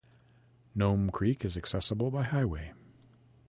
Nome Creek is accessible by highway.